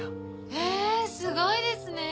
えすごいですね。